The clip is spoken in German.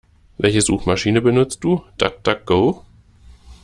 Welche Suchmaschiene benutzt du? DuckDuckGo?